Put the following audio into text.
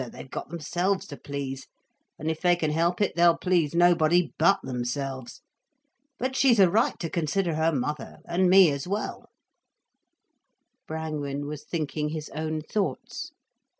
They've got themselves to please, and if they can help it they'll please nobody but themselves. But she's a right to consider her mother, and me as well—" Brangwen was thinking his own thoughts.